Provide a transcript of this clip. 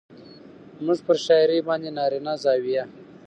زموږ پر شاعرۍ باندې نارينه زاويه